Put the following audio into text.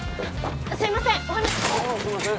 ああすいません。